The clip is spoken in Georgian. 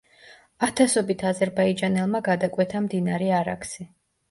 ათასობით აზერბაიჯანელმა გადაკვეთა მდინარე არაქსი.